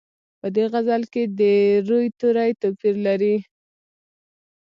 په دې غزل کې د روي توري توپیر لري.